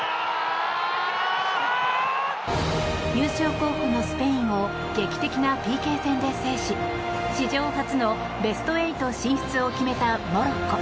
優勝候補のスペインを劇的なＰＫ戦で制し史上初のベスト８進出を決めたモロッコ。